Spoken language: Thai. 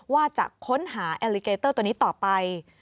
ว่าจะค้นหาแอลลิเกเตอร์ตัวนี้ต่อไป